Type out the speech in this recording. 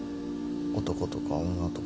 男とか女とか。